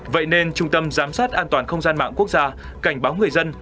vậy nên trung tâm giám sát an toàn không gian mạng quốc gia cảnh báo người dân